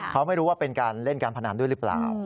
เขาไม่รู้ว่าเป็นการเล่นการพนันด้วยหรือเปล่า